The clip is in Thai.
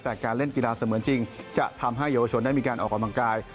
แต่การเล่นกีฬาเสมือนจริงจะทำให้เยาวชนได้มีการออกกำลังกาย